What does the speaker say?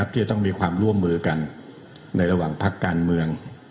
ที่จะต้องมีความร่วมมือกันในระหว่างพักการเมือง